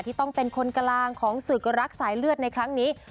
ที่ต้องเป็นคนกลางของศึกรักสายเลือดในครั้งนี้